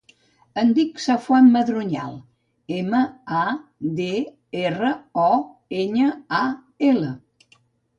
Em dic Safwan Madroñal: ema, a, de, erra, o, enya, a, ela.